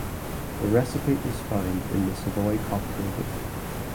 The recipe is found in "The Savoy Cocktail Book".